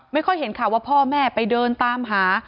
ไม่ค่อยเห็นข่าวว่าพ่อแม่ไปเดินตามหา